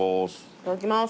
いただきます。